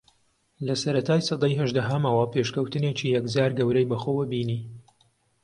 لە سەرەتای سەدەی ھەژدەھەمەوە پێشکەوتنێکی یەکجار گەورەی بەخۆوە بینی